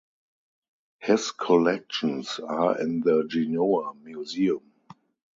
His collections are in the Genoa museum.